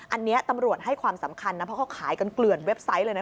อันนี้ตำรวจให้ความสำคัญนะเพราะเขาขายกันเกลือนเว็บไซต์เลยนะ